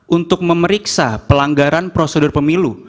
untuk memeriksa pelanggaran prosedur pemilu